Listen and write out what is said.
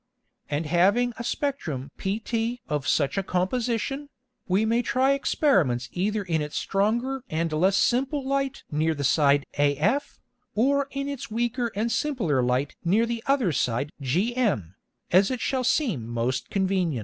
And having a Spectrum pt of such a Composition, we may try Experiments either in its stronger and less simple Light near the Side af, or in its weaker and simpler Light near the other Side gm, as it shall seem most convenient.